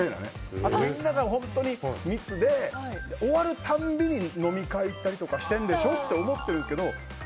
あとみんなが、本当に密で終わる度に飲み会行ったりとかしてるんでしょって思っているんですけど。